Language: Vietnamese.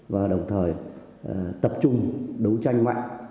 và đồng thời tập trung đấu tranh mạnh